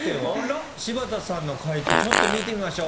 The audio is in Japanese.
柴田さんの解答見てみましょう。